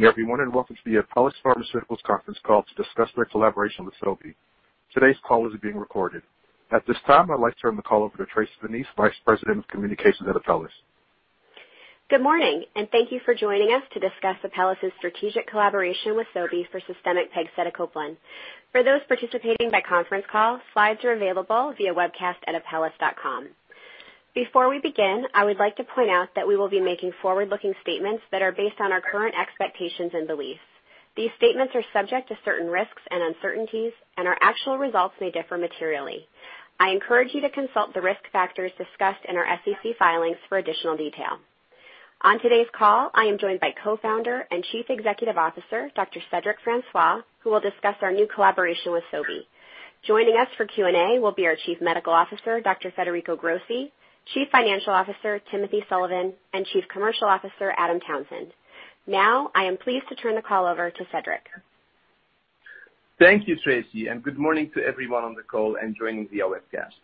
Good morning, and welcome to the Apellis Pharmaceuticals conference call to discuss their collaboration with Sobi. Today's call is being recorded. At this time, I'd like to turn the call over to Tracy Vineis, Vice President of Communications at Apellis. Good morning, thank you for joining us to discuss Apellis' strategic collaboration with Sobi for systemic pegcetacoplan. For those participating by conference call, slides are available via webcast at apellis.com. Before we begin, I would like to point out that we will be making forward-looking statements that are based on our current expectations and beliefs. These statements are subject to certain risks and uncertainties, our actual results may differ materially. I encourage you to consult the risk factors discussed in our SEC filings for additional detail. On today's call, I am joined by Co-founder and Chief Executive Officer, Dr. Cedric Francois, who will discuss our new collaboration with Sobi. Joining us for Q&A will be our Chief Medical Officer, Dr. Federico Grossi, Chief Financial Officer, Timothy Sullivan, and Chief Commercial Officer, Adam Townsend. Now, I am pleased to turn the call over to Cedric. Thank you, Tracy. Good morning to everyone on the call and joining via webcast.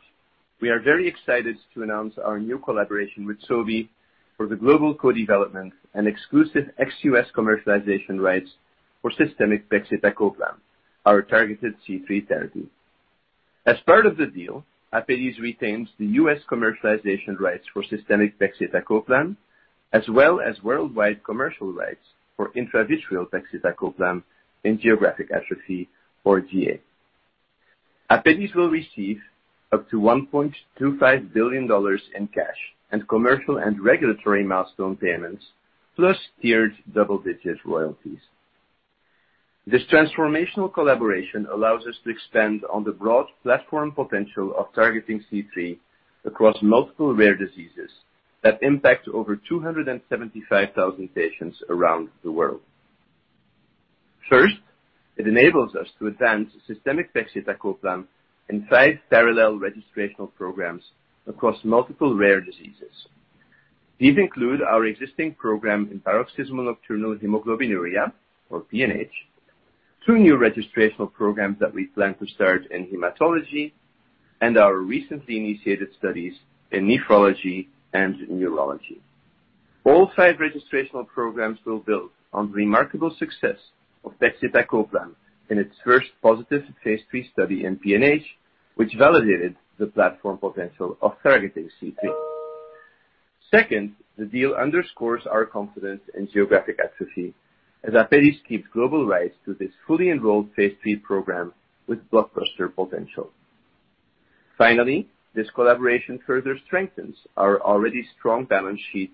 We are very excited to announce our new collaboration with Sobi for the global co-development and exclusive ex-US commercialization rights for systemic pegcetacoplan, our targeted C3 therapy. As part of the deal, Apellis retains the U.S. commercialization rights for systemic pegcetacoplan, as well as worldwide commercial rights for intravitreal pegcetacoplan in geographic atrophy or GA. Apellis will receive up to $1.25 billion in cash and commercial and regulatory milestone payments, plus tiered double-digit royalties. This transformational collaboration allows us to expand on the broad platform potential of targeting C3 across multiple rare diseases that impact over 275,000 patients around the world. First, it enables us to advance systemic pegcetacoplan in five parallel registrational programs across multiple rare diseases. These include our existing program in paroxysmal nocturnal hemoglobinuria or PNH, two new registrational programs that we plan to start in hematology, and our recently initiated studies in nephrology and neurology. All five registrational programs will build on the remarkable success of pegcetacoplan in its first positive phase III study in PNH, which validated the platform potential of targeting C3. Second, the deal underscores our confidence in geographic atrophy as Apellis keeps global rights to this fully enrolled phase III program with blockbuster potential. Finally, this collaboration further strengthens our already strong balance sheet,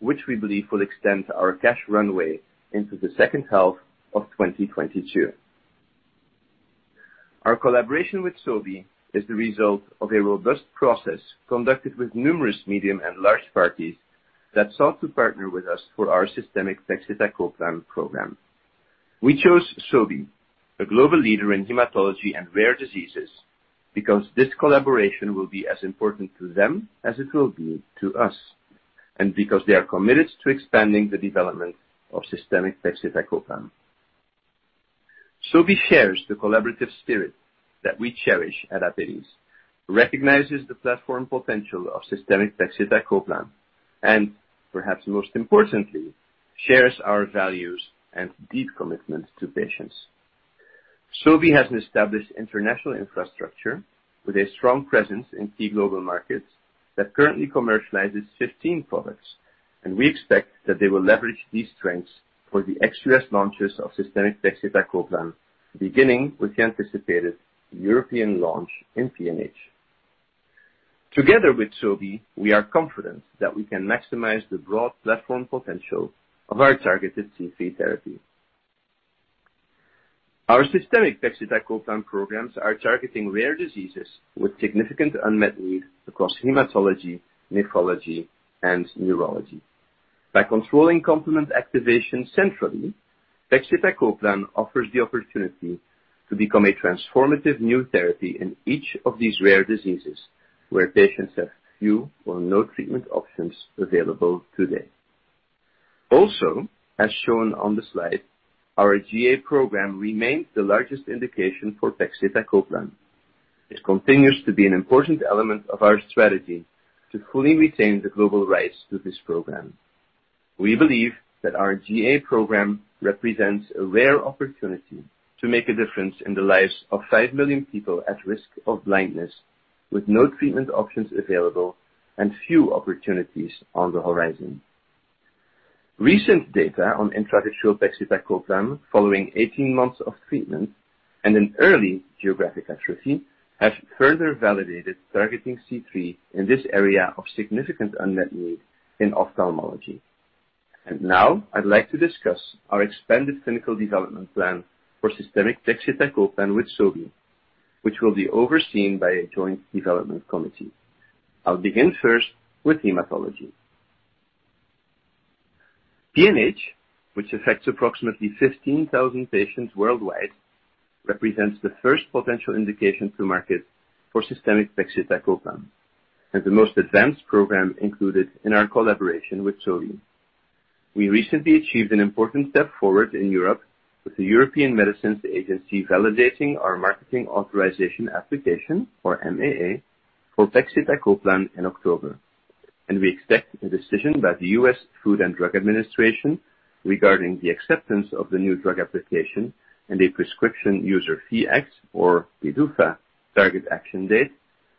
which we believe will extend our cash runway into the second half of 2022. Our collaboration with Sobi is the result of a robust process conducted with numerous medium and large parties that sought to partner with us for our systemic pegcetacoplan program. We chose Sobi, a global leader in hematology and rare diseases, because this collaboration will be as important to them as it will be to us, and because they are committed to expanding the development of systemic pegcetacoplan. Sobi shares the collaborative spirit that we cherish at Apellis, recognizes the platform potential of systemic pegcetacoplan, and perhaps most importantly, shares our values and deep commitment to patients. Sobi has an established international infrastructure with a strong presence in key global markets that currently commercializes 15 products, and we expect that they will leverage these strengths for the ex-U.S. launches of systemic pegcetacoplan, beginning with the anticipated European launch in PNH. Together with Sobi, we are confident that we can maximize the broad platform potential of our targeted C3 therapy. Our systemic pegcetacoplan programs are targeting rare diseases with significant unmet needs across hematology, nephrology, and neurology. By controlling complement activation centrally, pegcetacoplan offers the opportunity to become a transformative new therapy in each of these rare diseases where patients have few or no treatment options available today. Also, as shown on the slide, our GA program remains the largest indication for pegcetacoplan. This continues to be an important element of our strategy to fully retain the global rights to this program. We believe that our GA program represents a rare opportunity to make a difference in the lives of 5 million people at risk of blindness, with no treatment options available and few opportunities on the horizon. Recent data on intravitreal pegcetacoplan following 18 months of treatment and in early geographic atrophy have further validated targeting C3 in this area of significant unmet need in ophthalmology. Now I'd like to discuss our expanded clinical development plan for systemic pegcetacoplan with Sobi, which will be overseen by a joint development committee. I'll begin first with hematology. PNH, which affects approximately 15,000 patients worldwide, represents the first potential indication to market for systemic pegcetacoplan and the most advanced program included in our collaboration with Sobi. We recently achieved an important step forward in Europe with the European Medicines Agency validating our Marketing Authorization Application, or MAA, for pegcetacoplan in October. We expect a decision by the U.S. Food and Drug Administration regarding the acceptance of the new drug application and a Prescription User Fee Act, or PDUFA, target action date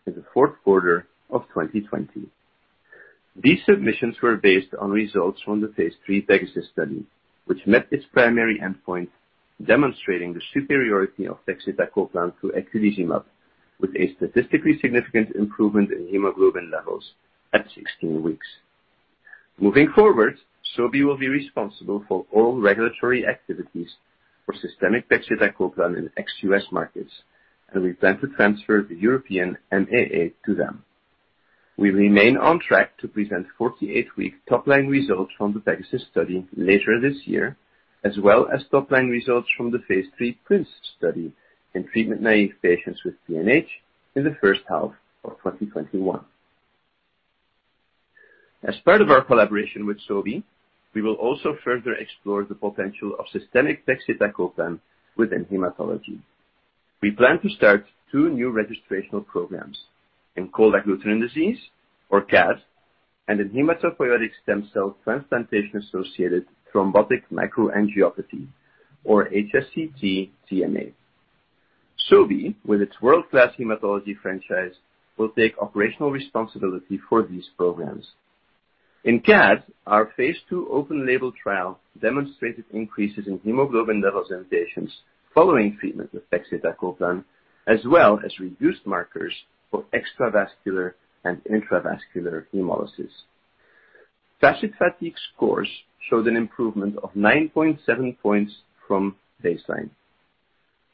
in the fourth quarter of 2020. These submissions were based on results from the phase III PEGASUS study, which met its primary endpoint demonstrating the superiority of pegcetacoplan to eculizumab, with a statistically significant improvement in hemoglobin levels at 16 weeks. Moving forward, Sobi will be responsible for all regulatory activities for systemic pegcetacoplan in ex-US markets, and we plan to transfer the European MAA to them. We remain on track to present 48-week top-line results from the PEGASUS study later this year, as well as top-line results from the phase III PRINCE study in treatment-naive patients with PNH in the first half of 2021. As part of our collaboration with Sobi, we will also further explore the potential of systemic pegcetacoplan within hematology. We plan to start two new registrational programs in cold agglutinin disease, or CAD, and in hematopoietic stem cell transplantation-associated thrombotic microangiopathy, or HSCT-TMA. Sobi, with its world-class hematology franchise, will take operational responsibility for these programs. In CAD, our phase II open-label trial demonstrated increases in hemoglobin levels in patients following treatment with pegcetacoplan, as well as reduced markers for extravascular and intravascular hemolysis. Fatigue scores showed an improvement of 9.7 points from baseline,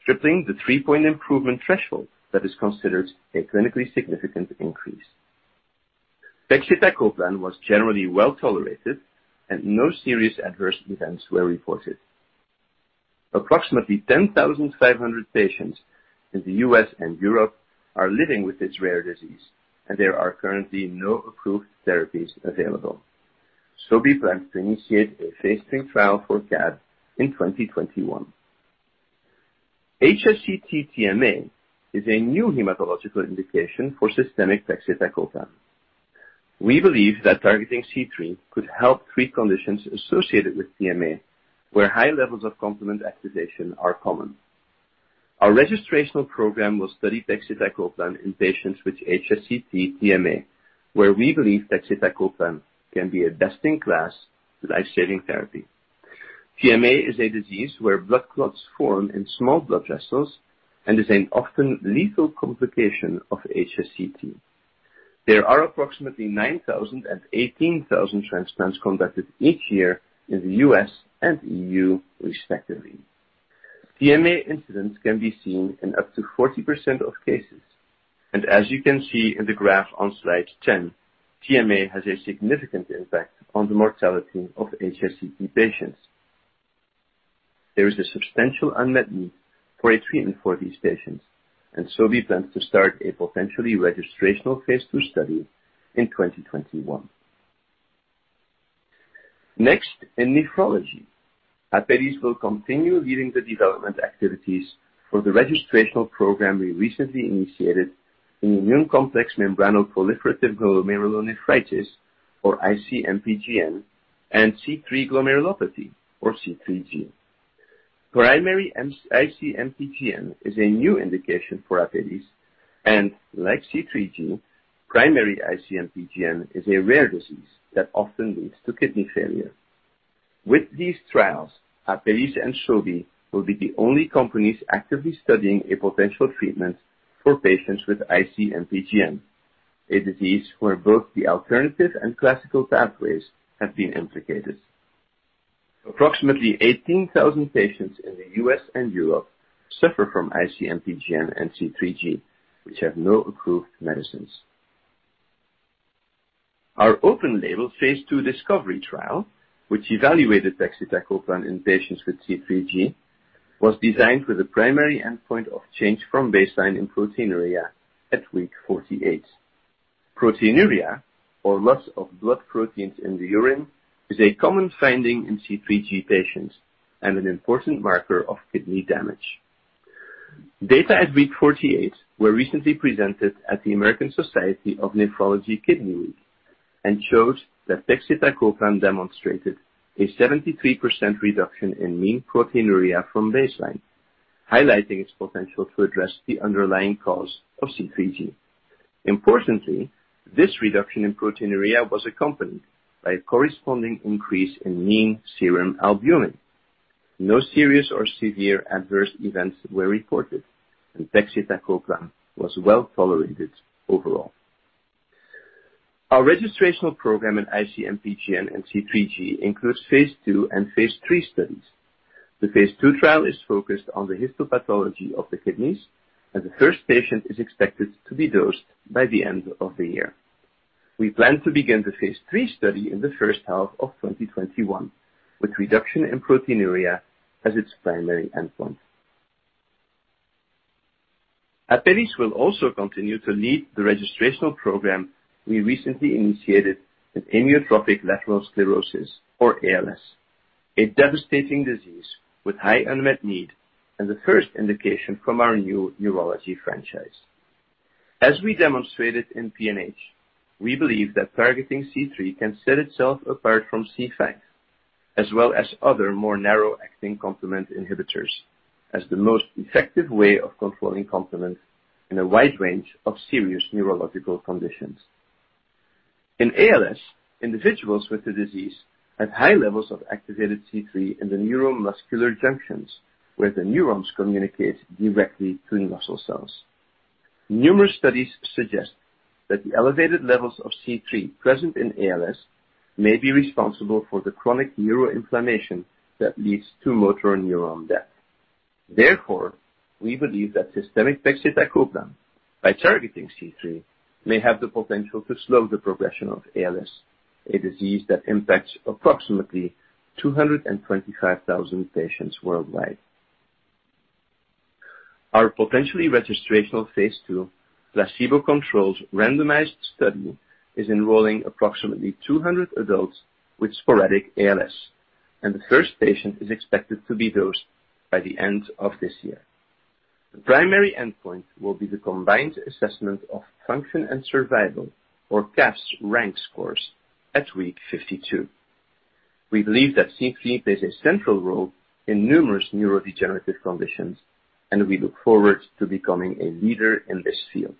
tripling the three-point improvement threshold that is considered a clinically significant increase. Pegcetacoplan was generally well-tolerated, no serious adverse events were reported. Approximately 10,500 patients in the U.S. and Europe are living with this rare disease, there are currently no approved therapies available. Sobi plans to initiate a phase III trial for CAD in 2021. HSCT-TMA is a new hematological indication for systemic pegcetacoplan. We believe that targeting C3 could help treat conditions associated with TMA, where high levels of complement activation are common. Our registrational program will study pegcetacoplan in patients with HSCT-TMA, where we believe pegcetacoplan can be a best-in-class life-saving therapy. TMA is a disease where blood clots form in small blood vessels and is an often lethal complication of HSCT. There are approximately 9,000 and 18,000 transplants conducted each year in the U.S. and EU, respectively. TMA incidents can be seen in up to 40% of cases. As you can see in the graph on slide 10, TMA has a significant impact on the mortality of HSCT patients. There is a substantial unmet need for a treatment for these patients, we plan to start a potentially registrational phase II study in 2021. Next, in nephrology, Apellis will continue leading the development activities for the registrational program we recently initiated in immune complex membranoproliferative glomerulonephritis, or IC-MPGN, and C3 glomerulopathy, or C3G. Primary IC-MPGN is a new indication for Apellis. Like C3G, primary IC-MPGN is a rare disease that often leads to kidney failure. With these trials, Apellis and Sobi will be the only companies actively studying a potential treatment for patients with IC-MPGN, a disease where both the alternative and classical pathways have been implicated. Approximately 18,000 patients in the U.S. and Europe suffer from IC-MPGN and C3G, which have no approved medicines. Our open label phase II discovery trial, which evaluated pegcetacoplan in patients with C3G, was designed with a primary endpoint of change from baseline in proteinuria at week 48. Proteinuria, or loss of blood proteins in the urine, is a common finding in C3G patients and an important marker of kidney damage. Data at week 48 were recently presented at the American Society of Nephrology Kidney Week and showed that pegcetacoplan demonstrated a 73% reduction in mean proteinuria from baseline, highlighting its potential to address the underlying cause of C3G. Importantly, this reduction in proteinuria was accompanied by a corresponding increase in mean serum albumin. No serious or severe adverse events were reported, and pegcetacoplan was well-tolerated overall. Our registrational program in IC-MPGN and C3G includes phase II and phase III studies. The phase II trial is focused on the histopathology of the kidneys, and the first patient is expected to be dosed by the end of the year. We plan to begin the phase III study in the first half of 2021, with reduction in proteinuria as its primary endpoint. Apellis will also continue to lead the registrational program we recently initiated with amyotrophic lateral sclerosis, or ALS. A devastating disease with high unmet need and the first indication from our new neurology franchise. As we demonstrated in PNH, we believe that targeting C3 can set itself apart from C5, as well as other more narrow-acting complement inhibitors, as the most effective way of controlling complement in a wide range of serious neurological conditions. In ALS, individuals with the disease have high levels of activated C3 in the neuromuscular junctions, where the neurons communicate directly to the muscle cells. Numerous studies suggest that the elevated levels of C3 present in ALS may be responsible for the chronic neuroinflammation that leads to motor neuron death. We believe that systemic pegcetacoplan, by targeting C3, may have the potential to slow the progression of ALS, a disease that impacts approximately 225,000 patients worldwide. Our potentially registrational phase II placebo-controlled randomized study is enrolling approximately 200 adults with sporadic ALS, and the first patient is expected to be dosed by the end of this year. The primary endpoint will be the Combined Assessment of Function and Survival, or CAFS rank scores at week 52. We believe that C3 plays a central role in numerous neurodegenerative conditions, and we look forward to becoming a leader in this field.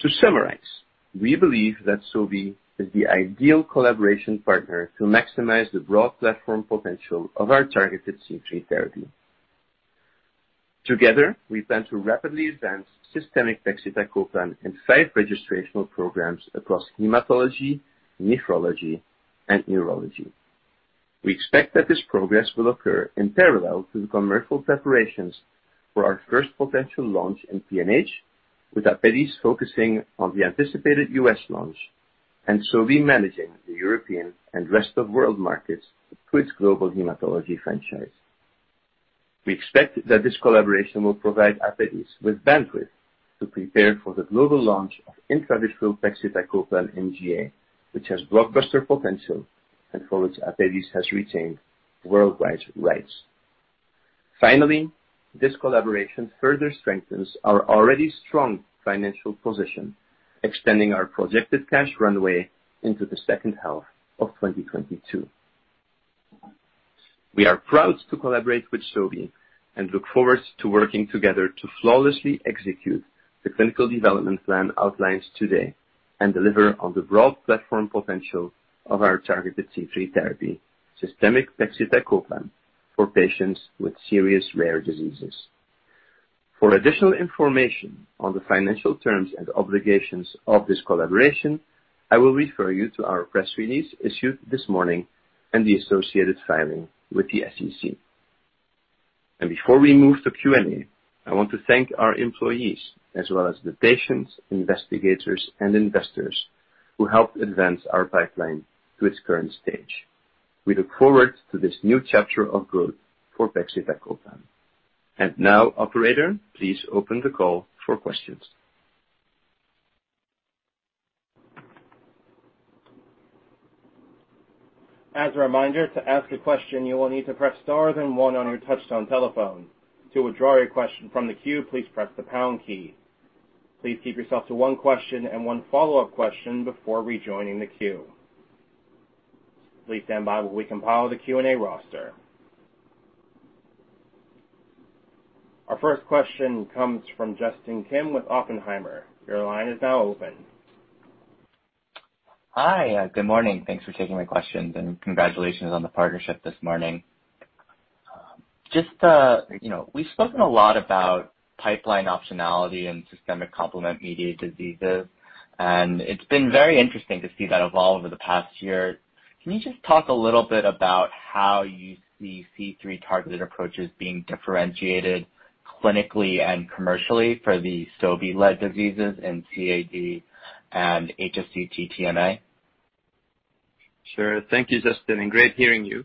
To summarize, we believe that Sobi is the ideal collaboration partner to maximize the broad platform potential of our targeted C3 therapy. Together, we plan to rapidly advance systemic pegcetacoplan in five registrational programs across hematology, nephrology, and neurology. We expect that this progress will occur in parallel to the commercial preparations for our first potential launch in PNH, with Apellis focusing on the anticipated U.S. launch and Sobi managing the European and rest-of-world markets through its global hematology franchise. We expect that this collaboration will provide Apellis with bandwidth to prepare for the global launch of intravitreal pegcetacoplan in GA, which has blockbuster potential and for which Apellis has retained worldwide rights. Finally, this collaboration further strengthens our already strong financial position, extending our projected cash runway into the second half of 2022. We are proud to collaborate with Sobi and look forward to working together to flawlessly execute the clinical development plan outlined today and deliver on the broad platform potential of our targeted C3 therapy, systemic pegcetacoplan, for patients with serious rare diseases. For additional information on the financial terms and obligations of this collaboration, I will refer you to our press release issued this morning and the associated filing with the SEC. Before we move to Q&A, I want to thank our employees, as well as the patients, investigators, and investors who helped advance our pipeline to its current stage. We look forward to this new chapter of growth for pegcetacoplan. Now, operator, please open the call for questions. As a reminder, to ask a question, you will need to press star then one on your touch-tone telephone. To withdraw your question from the queue, please press the pound key. Please keep yourself to one question and one follow-up question before rejoining the queue. Please stand by while we compile the Q&A roster. Our first question comes from Justin Kim with Oppenheimer. Your line is now open. Hi. Good morning. Thanks for taking my questions, and congratulations on the partnership this morning. We've spoken a lot about pipeline optionality and systemic complement-mediated diseases, and it's been very interesting to see that evolve over the past year. Can you just talk a little bit about how you see C3-targeted approaches being differentiated clinically and commercially for the Sobi-led diseases in CAD and HSCT-TMA? Sure. Thank you, Justin, and great hearing you.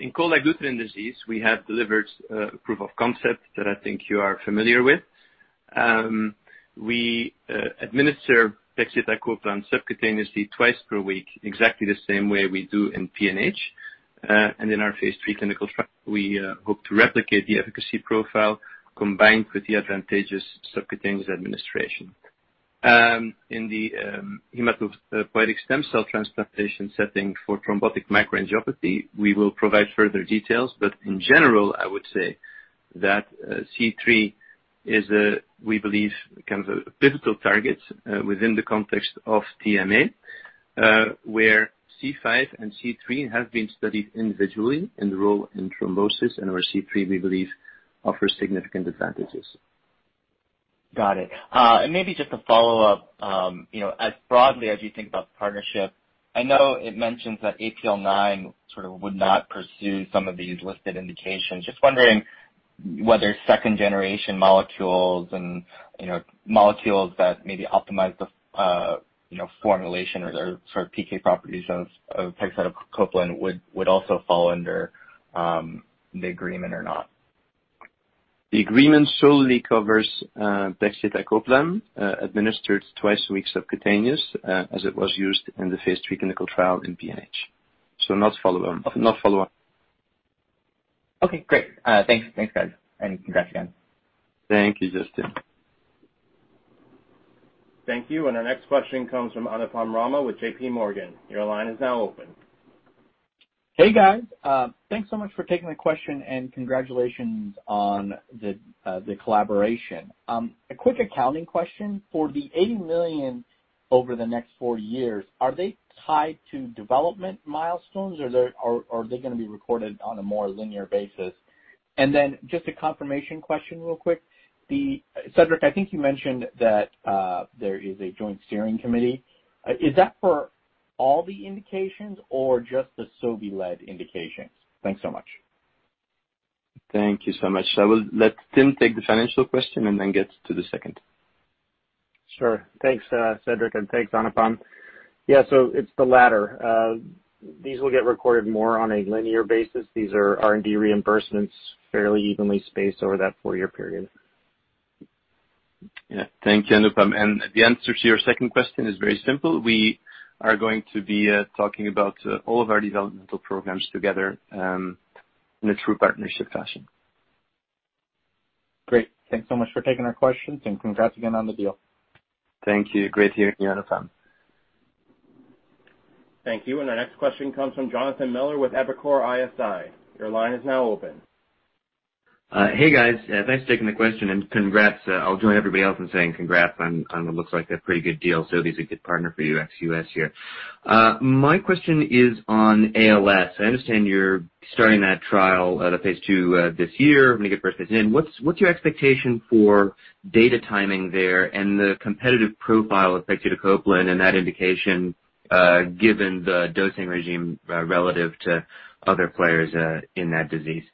In cold agglutinin disease, we have delivered a proof of concept that I think you are familiar with. We administer pegcetacoplan subcutaneously twice per week, exactly the same way we do in PNH. In our phase III clinical trial, we hope to replicate the efficacy profile combined with the advantageous subcutaneous administration. In the hematopoietic stem cell transplantation setting for thrombotic microangiopathy, we will provide further details, but in general, I would say that C3 is, we believe, a pivotal target within the context of TMA, where C5 and C3 have been studied individually in the role in thrombosis and where C3, we believe, offers significant advantages. Got it. Maybe just a follow-up. As broadly as you think about the partnership, I know it mentions that APL-9 sort of would not pursue some of these listed indications. Just wondering whether second-generation molecules and molecules that maybe optimize the formulation or the sort of PK properties of pegcetacoplan would also fall under the agreement or not. The agreement solely covers pegcetacoplan administered twice a week subcutaneous, as it was used in the phase III clinical trial in PNH, not follow-up. Okay, great. Thanks, guys. Congrats again. Thank you, Justin. Thank you. Our next question comes from Anupam Rama with JPMorgan. Your line is now open. Hey, guys. Thanks so much for taking my question. Congratulations on the collaboration. A quick accounting question. For the $80 million over the next four years, are they tied to development milestones, or are they going to be recorded on a more linear basis? Then just a confirmation question real quick. Cedric, I think you mentioned that there is a joint steering committee. Is that for all the indications or just the Sobi-led indications? Thanks so much. Thank you so much. I will let Tim take the financial question and then get to the second. Sure. Thanks, Cedric, and thanks, Anupam. It's the latter. These will get recorded more on a linear basis. These are R&D reimbursements fairly evenly spaced over that four-year period. Yeah. Thank you, Anupam. The answer to your second question is very simple. We are going to be talking about all of our developmental programs together, in a true partnership fashion. Great. Thanks so much for taking our questions, and congrats again on the deal. Thank you. Great hearing you, Anupam. Thank you. Our next question comes from Jonathan Miller with Evercore ISI. Your line is now open. Hey, guys. Thanks for taking the question and congrats. I'll join everybody else in saying congrats on what looks like a pretty good deal. Sobi's a good partner for you ex-U.S. here. My question is on ALS. I understand you're starting that trial at a phase II this year. When you get first patient in, what's your expectation for data timing there and the competitive profile of pegcetacoplan in that indication, given the dosing regime relative to other players in that disease?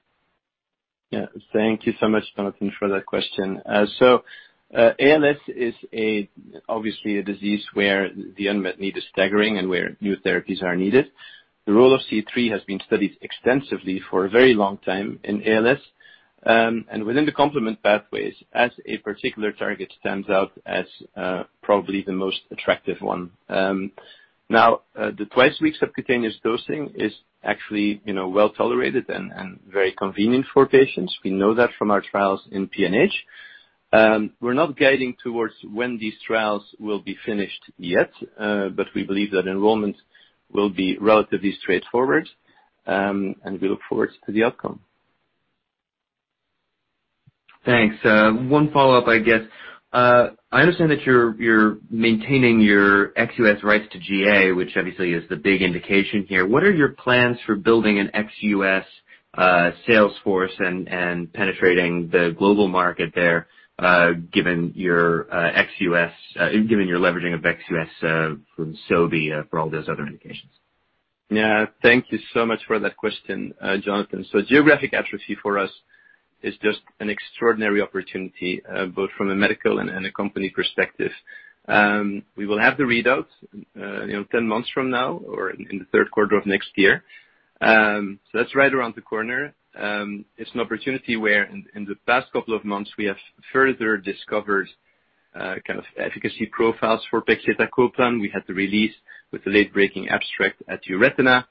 Yeah. Thank you so much, Jonathan, for that question. ALS is obviously a disease where the unmet need is staggering and where new therapies are needed. The role of C3 has been studied extensively for a very long time in ALS. Within the complement pathways, as a particular target stands out as probably the most attractive one. Now, the twice-a-week subcutaneous dosing is actually well-tolerated and very convenient for patients. We know that from our trials in PNH. We're not guiding towards when these trials will be finished yet, but we believe that enrollment will be relatively straightforward, and we look forward to the outcome. Thanks. One follow-up, I guess. I understand that you're maintaining your ex-U.S. rights to GA, which obviously is the big indication here. What are your plans for building an ex-U.S. sales force and penetrating the global market there, given your leveraging of ex-U.S. from Sobi for all those other indications? Yeah. Thank you so much for that question, Jonathan. Geographic atrophy for us is just an extraordinary opportunity, both from a medical and a company perspective. We will have the readout 10 months from now or in the third quarter of next year. That's right around the corner. It's an opportunity where in the past couple of months, we have further discovered efficacy profiles for pegcetacoplan. We had the release with the late-breaking abstract at EURETINA,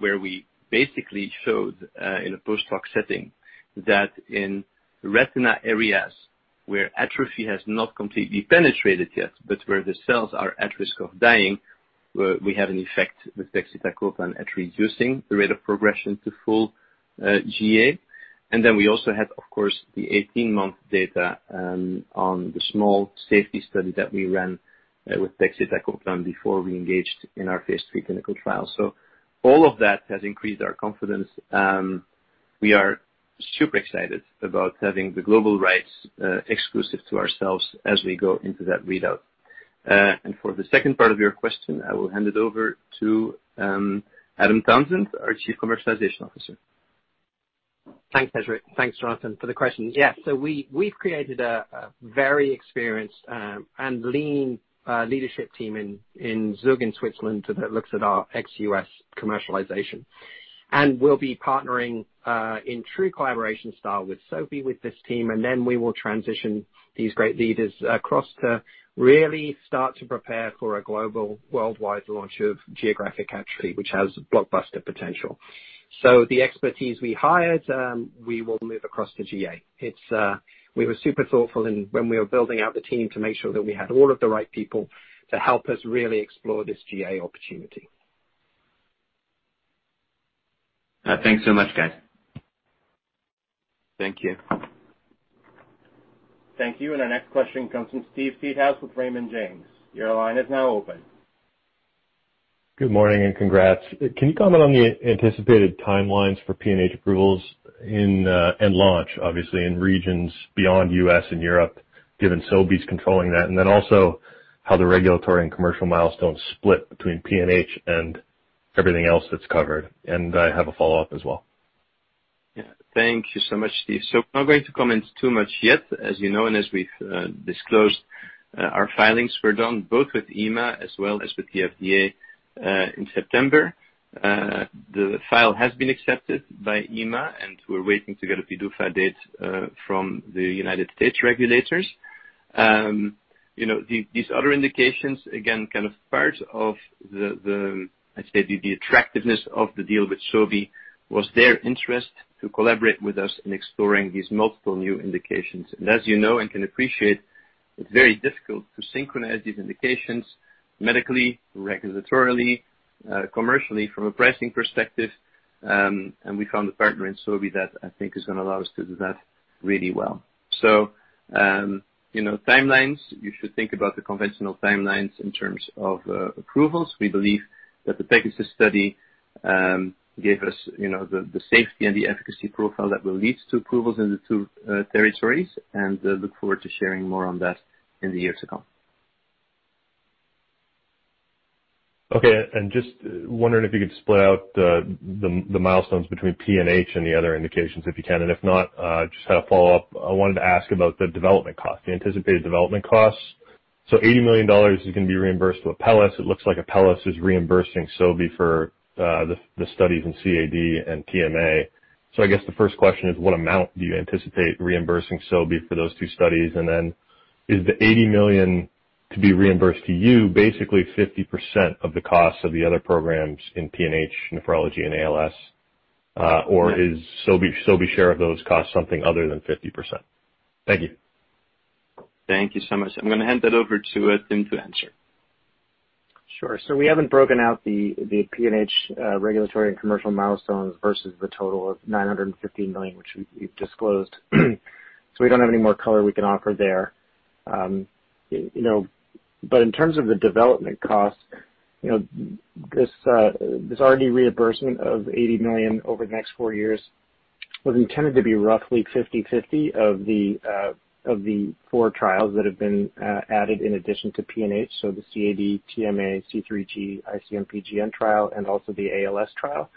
where we basically showed, in a post-hoc setting, that in retina areas where atrophy has not completely penetrated yet, but where the cells are at risk of dying, we have an effect with pegcetacoplan at reducing the rate of progression to full GA. We also had, of course, the 18-month data on the small safety study that we ran with pegcetacoplan before we engaged in our phase III clinical trial. All of that has increased our confidence. We are super excited about having the global rights exclusive to ourselves as we go into that readout. For the second part of your question, I will hand it over to Adam Townsend, our Chief Commercial Officer. Thanks, Cedric. Thanks, Jonathan, for the question. Yeah, we've created a very experienced and lean leadership team in Zug, in Switzerland, that looks at our ex-U.S. commercialization. We'll be partnering in true collaboration style with Sobi, with this team, and then we will transition these great leaders across to really start to prepare for a global worldwide launch of geographic atrophy, which has blockbuster potential. The expertise we hired, we will move across to GA. We were super thoughtful when we were building out the team to make sure that we had all of the right people to help us really explore this GA opportunity. Thanks so much, guys. Thank you. Thank you. Our next question comes from Steve Seedhouse with Raymond James. Your line is now open. Good morning, and congrats. Can you comment on the anticipated timelines for PNH approvals and launch, obviously in regions beyond U.S. and Europe, given Sobi's controlling that? Also how the regulatory and commercial milestones split between PNH and everything else that's covered. I have a follow-up as well. Yeah. Thank you so much, Steve. I'm not going to comment too much yet. As you know, and as we've disclosed, our filings were done both with EMA as well as with the FDA in September. The file has been accepted by EMA, and we're waiting to get a PDUFA date from the United States regulators. These other indications, again, kind of part of the, I'd say, the attractiveness of the deal with Sobi was their interest to collaborate with us in exploring these multiple new indications. As you know and can appreciate, it's very difficult to synchronize these indications medically, regulatorily, commercially from a pricing perspective. We found a partner in Sobi that I think is going to allow us to do that really well. Timelines, you should think about the conventional timelines in terms of approvals. We believe that the PEGASUS study gave us the safety and the efficacy profile that will lead to approvals in the two territories. Look forward to sharing more on that in the years to come. Okay. Just wondering if you could split out the milestones between PNH and the other indications, if you can. If not, just had a follow-up. I wanted to ask about the anticipated development costs. $80 million is going to be reimbursed to Apellis. It looks like Apellis is reimbursing Sobi for the studies in CAD and TMA. I guess the first question is, what amount do you anticipate reimbursing Sobi for those two studies? Then is the $80 million to be reimbursed to you, basically 50% of the cost of the other programs in PNH, nephrology, and ALS? Or is Sobi share of those costs something other than 50%? Thank you. Thank you so much. I'm going to hand that over to Tim to answer. Sure. We haven't broken out the PNH regulatory and commercial milestones versus the total of $950 million, which we've disclosed. We don't have any more color we can offer there. In terms of the development cost, this R&D reimbursement of $80 million over the next four years was intended to be roughly 50/50 of the four trials that have been added in addition to PNH. The CAD, TMA, C3G, IC-MPGN trial, and also the ALS trial.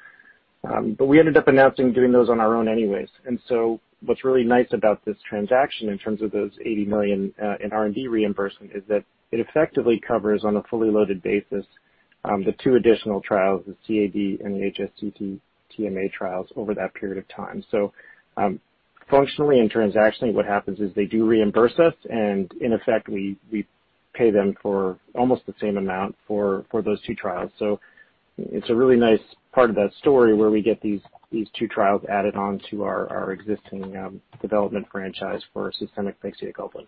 We ended up announcing doing those on our own anyways. What's really nice about this transaction in terms of those $80 million in R&D reimbursement is that it effectively covers on a fully loaded basis, the two additional trials, the CAD and the HSCT-TMA trials over that period of time. Functionally and transactionally, what happens is they do reimburse us, and in effect, we pay them for almost the same amount for those two trials. It's a really nice part of that story where we get these two trials added on to our existing development franchise for systemic pegcetacoplan.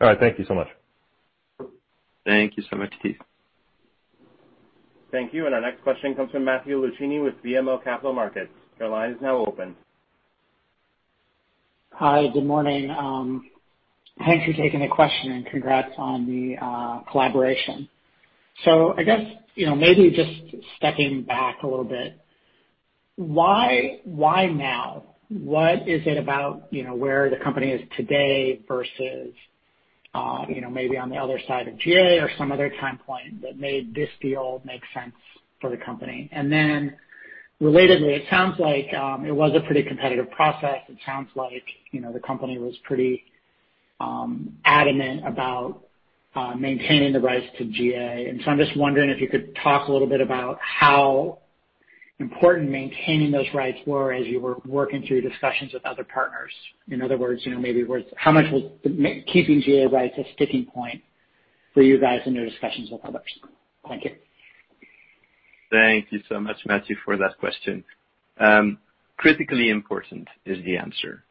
All right. Thank you so much. Thank you so much, Steve. Thank you. Our next question comes from Matthew Luchini with BMO Capital Markets. Hi, good morning. Thanks for taking the question and congrats on the collaboration. I guess, maybe just stepping back a little bit, why now? What is it about where the company is today versus maybe on the other side of GA or some other time point that made this deal make sense for the company? Then relatedly, it sounds like it was a pretty competitive process. It sounds like the company was pretty adamant about maintaining the rights to GA. I'm just wondering if you could talk a little bit about how important maintaining those rights were as you were working through discussions with other partners. In other words, maybe how much was keeping GA rights a sticking point for you guys in your discussions with others? Thank you. Thank you so much, Matthew, for that question. Critically important is the answer.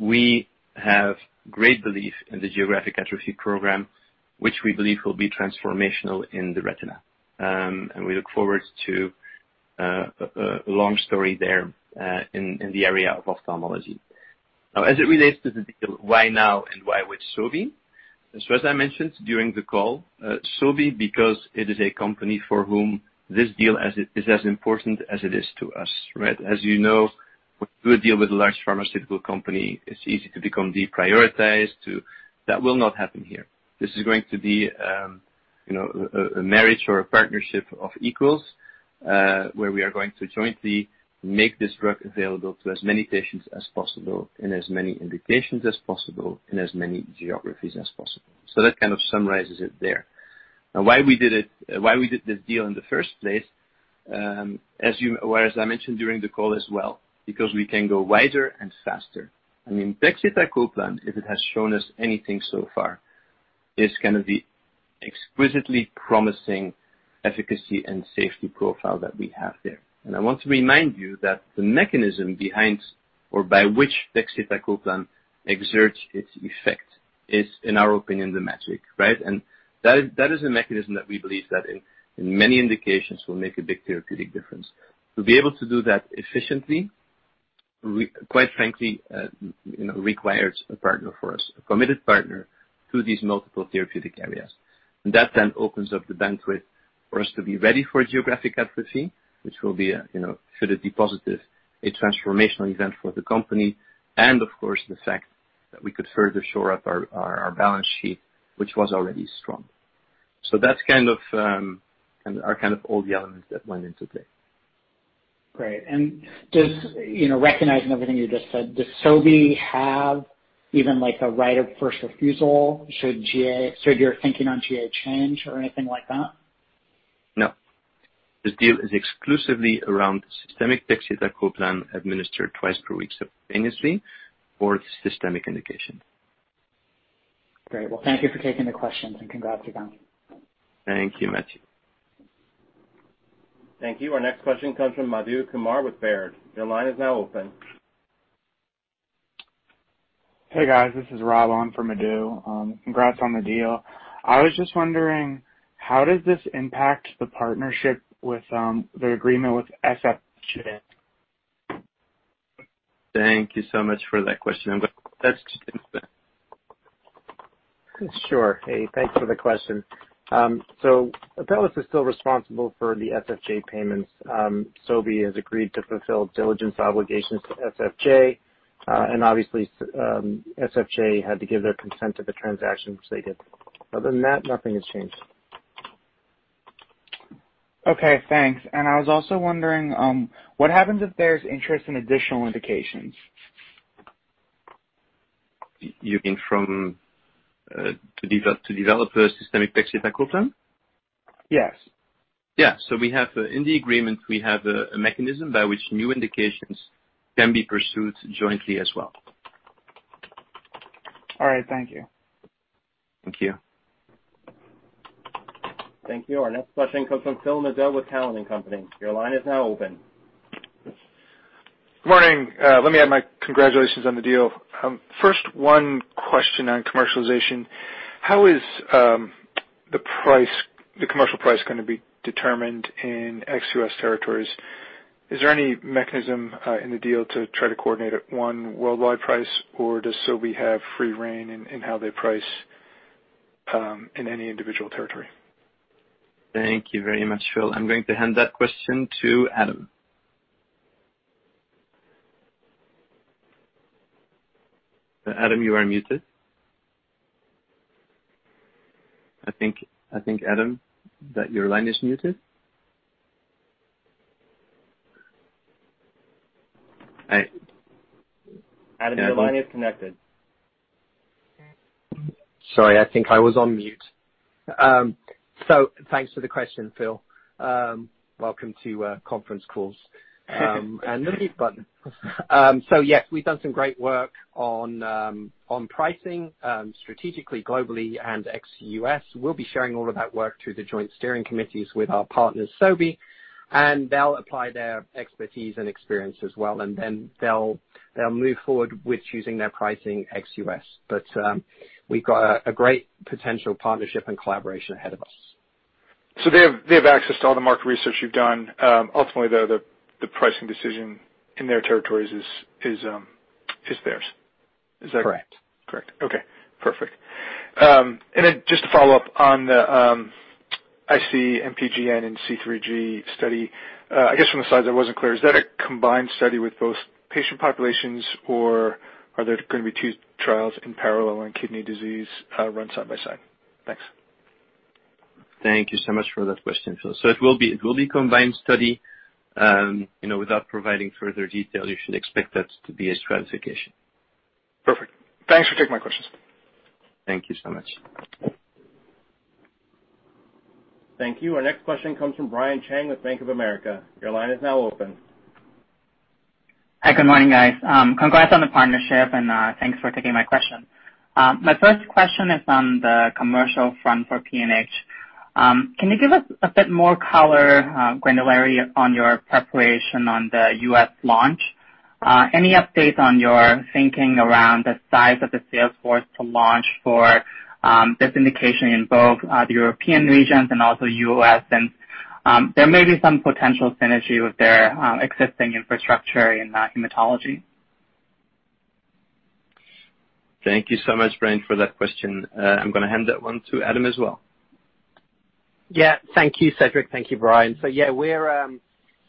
We have great belief in the geographic atrophy program, which we believe will be transformational in the retina. We look forward to a long story there in the area of ophthalmology. Now, as it relates to the deal, why now, and why with Sobi? As I mentioned during the call, Sobi, because it is a company for whom this deal is as important as it is to us, right? As you know, when you deal with a large pharmaceutical company, it's easy to become deprioritized. That will not happen here. This is going to be a marriage or a partnership of equals, where we are going to jointly make this drug available to as many patients as possible in as many indications as possible in as many geographies as possible. That kind of summarizes it there. Why we did this deal in the first place, as I mentioned during the call as well, because we can go wider and faster. I mean, pegcetacoplan, if it has shown us anything so far, is going to be exquisitely promising efficacy and safety profile that we have there. I want to remind you that the mechanism behind, or by which pegcetacoplan exerts its effect is, in our opinion, the magic, right? That is a mechanism that we believe that in many indications, will make a big therapeutic difference. To be able to do that efficiently, quite frankly, requires a partner for us, a committed partner to these multiple therapeutic areas. That opens up the bandwidth for us to be ready for geographic atrophy, which will be, should it be positive, a transformational event for the company. Of course, the fact that we could further shore up our balance sheet, which was already strong. That's our kind of all the elements that went into play. Great. Just recognizing everything you just said, does Sobi have even, like, a right of first refusal should your thinking on GA change or anything like that? No. This deal is exclusively around systemic pegcetacoplan administered twice per week subcutaneously for its systemic indication. Great. Well, thank you for taking the questions, and congrats again. Thank you, Matthew. Thank you. Our next question comes from Madhu Kumar with Baird. Your line is now open. Hey, guys. This is [Raul] on for Madhu. Congrats on the deal. I was just wondering, how does this impact the partnership with the agreement with SFJ? Thank you so much for that question. I'm going to pass to Tim. Sure. Hey. Thanks for the question. Apellis is still responsible for the SFJ payments. Sobi has agreed to fulfill diligence obligations to SFJ. Obviously, SFJ had to give their consent to the transaction, which they did. Other than that, nothing has changed. Okay, thanks. I was also wondering, what happens if there's interest in additional indications? You mean to develop a systemic pegcetacoplan? Yes. Yeah. In the agreement, we have a mechanism by which new indications can be pursued jointly as well. All right. Thank you. Thank you. Thank you. Our next question comes from Phil Nadeau with Cowen and Company. Your line is now open. Good morning. Let me add my congratulations on the deal. First, one question on commercialization. How is the commercial price going to be determined in ex-U.S. territories? Is there any mechanism, in the deal to try to coordinate it, one worldwide price, or does Sobi have free rein in how they price, in any individual territory? Thank you very much, Phil. I'm going to hand that question to Adam. Adam, you are muted. I think, Adam, that your line is muted. Adam, your line is connected. Sorry. I think I was on mute. Thanks for the question, Phil. Welcome to conference calls and the mute button. Yes, we've done some great work on pricing, strategically, globally, and ex-U.S. We'll be sharing all of that work through the joint steering committees with our partners, Sobi. They'll apply their expertise and experience as well, and then they'll move forward with choosing their pricing ex-U.S. We've got a great potential partnership and collaboration ahead of us. They have access to all the market research you've done. Ultimately, though, the pricing decision in their territories is theirs. Is that correct? Correct. Correct. Okay. Perfect. Just to follow up on the IC-MPGN and C3G study. I guess from the slides that wasn't clear, is that a combined study with both patient populations, or are there going to be two trials in parallel on kidney disease, run side by side? Thanks. Thank you so much for that question, Phil. It will be a combined study. Without providing further detail, you should expect that to be a stratification. Perfect. Thanks for taking my questions. Thank you so much. Thank you. Our next question comes from Brian Cheng with Bank of America. Your line is now open. Hi. Good morning, guys. Congrats on the partnership, and thanks for taking my question. My first question is on the commercial front for PNH. Can you give us a bit more color, granularity on your preparation on the U.S. launch? Any updates on your thinking around the size of the sales force to launch for this indication in both the European regions and also U.S.? There may be some potential synergy with their existing infrastructure in hematology. Thank you so much, Brian, for that question. I'm going to hand that one to Adam as well. Yeah. Thank you, Cedric. Thank you, Brian. Yeah, we're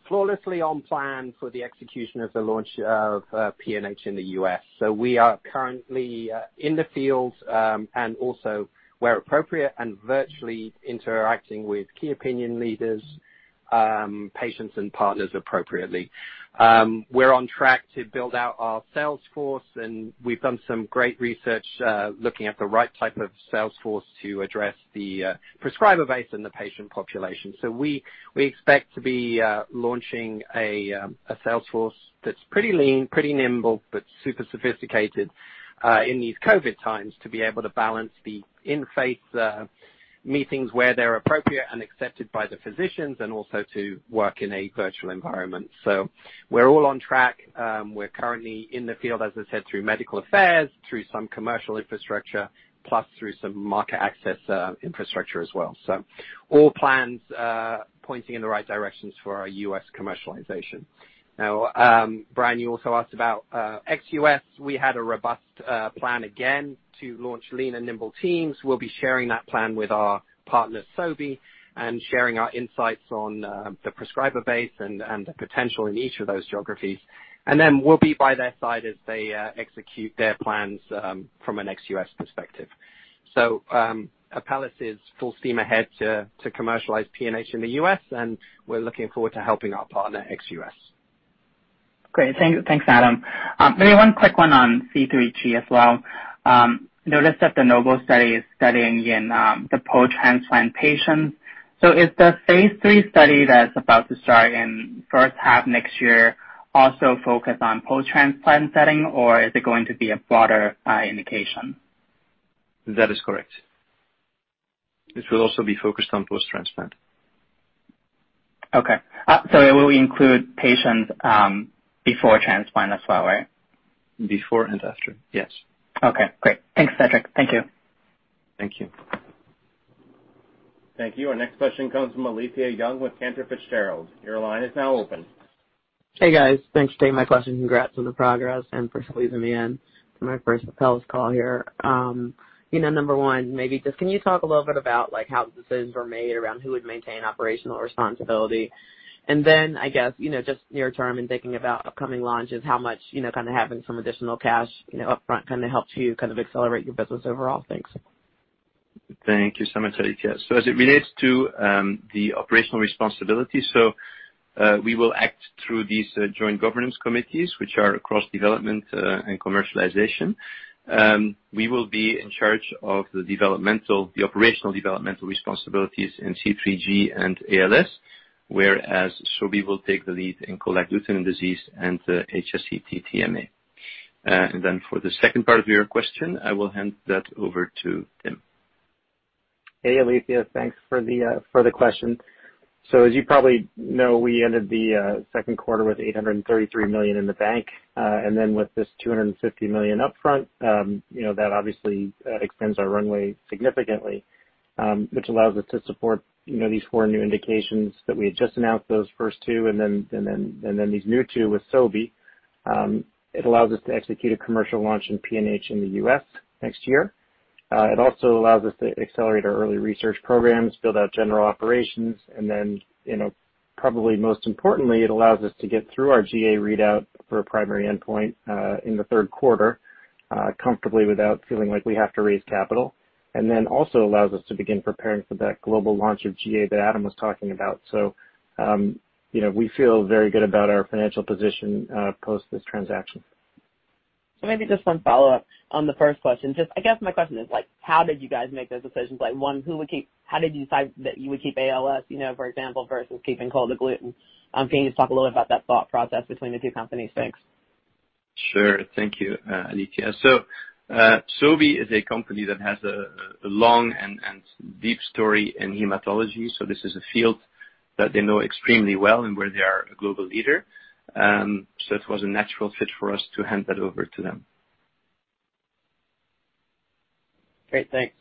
flawlessly on plan for the execution of the launch of PNH in the U.S. We are currently in the field, and also where appropriate and virtually interacting with key opinion leaders, patients, and partners appropriately. We're on track to build out our sales force, and we've done some great research, looking at the right type of sales force to address the prescriber base and the patient population. We expect to be launching a sales force that's pretty lean, pretty nimble, but super sophisticated, in these COVID times to be able to balance the in-face meetings where they're appropriate and accepted by the physicians, and also to work in a virtual environment. We're all on track. We're currently in the field, as I said, through medical affairs, through some commercial infrastructure, plus through some market access infrastructure as well. All plans are pointing in the right directions for our U.S. commercialization. Brian, you also asked about ex-U.S. We had a robust plan again to launch lean and nimble teams. We'll be sharing that plan with our partners, Sobi, and sharing our insights on the prescriber base and the potential in each of those geographies. We'll be by their side as they execute their plans, from an ex-U.S. perspective. Apellis is full steam ahead to commercialize PNH in the U.S., and we're looking forward to helping our partner ex-U.S. Great. Thanks, Adam. Maybe one quick one on C3G as well. Noticed that the NOBLE study is studying in the post-transplant patients. Is the phase III study that's about to start in first half next year also focused on post-transplant setting, or is it going to be a broader indication? That is correct. It will also be focused on post-transplant. Okay. It will include patients before transplant as well, right? Before and after, yes. Okay, great. Thanks, Cedric. Thank you. Thank you. Thank you. Our next question comes from Alethia Young with Cantor Fitzgerald. Your line is now open. Hey, guys. Thanks for taking my question. Congrats on the progress and for squeezing me in for my first Apellis call here. Number one, maybe just can you talk a little bit about how decisions were made around who would maintain operational responsibility? I guess, just near term and thinking about upcoming launches, how much having some additional cash upfront helped you accelerate your business overall? Thanks. Thank you so much, Alethia. As it relates to the operational responsibility, we will act through these joint governance committees, which are across development and commercialization. We will be in charge of the operational developmental responsibilities in C3G and ALS, whereas Sobi will take the lead in cold agglutinin disease and the HSCT-TMA. Then for the second part of your question, I will hand that over to Tim. Hey, Alethia. Thanks for the question. As you probably know, we ended the second quarter with $833 million in the bank. With this $250 million upfront, that obviously extends our runway significantly, which allows us to support these four new indications that we had just announced, those first two, and then these new two with Sobi. It allows us to execute a commercial launch in PNH in the U.S. next year. It also allows us to accelerate our early research programs, build out general operations, probably most importantly, it allows us to get through our GA readout for a primary endpoint in the third quarter comfortably without feeling like we have to raise capital, also allows us to begin preparing for that global launch of GA that Adam was talking about. We feel very good about our financial position post this transaction. Maybe just one follow-up on the first question. I guess my question is, how did you guys make those decisions? One, how did you decide that you would keep ALS for example, versus keeping cold agglutinin? Can you just talk a little about that thought process between the two companies? Thanks. Sure. Thank you, Alethia. Sobi is a company that has a long and deep story in hematology, so this is a field that they know extremely well and where they are a global leader. It was a natural fit for us to hand that over to them. Great. Thanks.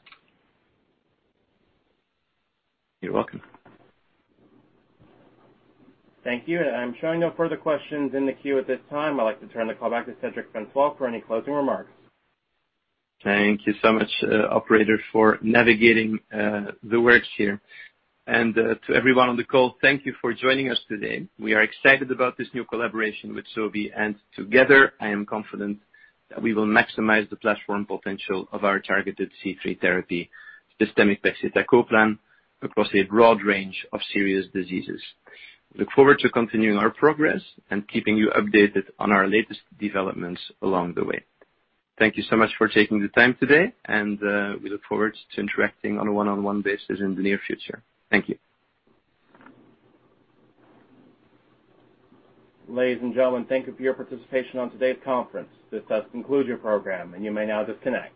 You're welcome. Thank you. I'm showing no further questions in the queue at this time. I'd like to turn the call back to Cedric Francois for any closing remarks. Thank you so much, operator, for navigating the works here. To everyone on the call, thank you for joining us today. We are excited about this new collaboration with Sobi, and together, I am confident that we will maximize the platform potential of our targeted C3 therapy, systemic pegcetacoplan, across a broad range of serious diseases. We look forward to continuing our progress and keeping you updated on our latest developments along the way. Thank you so much for taking the time today, and we look forward to interacting on a one-on-one basis in the near future. Thank you. Ladies and gentlemen, thank you for your participation on today's conference. This does conclude your program, and you may now disconnect.